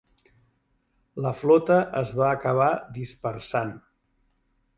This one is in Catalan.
La flota es va acabar dispersant.